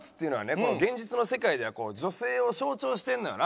この現実の世界では女性を象徴してんのよな。